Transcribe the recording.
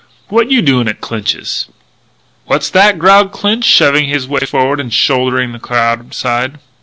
What you doing at Clinch's?" "What's that?" growled Clinch, shoving his way forward and shouldering the crowd aside.